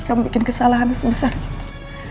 kamu bikin kesalahan sebesar itu